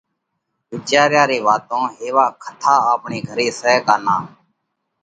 وِيچاريا ري واتون هيوا کٿا آپڻي گھري سئہ ڪا نان؟